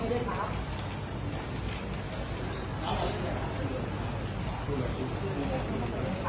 พี่แบบในที่ดูด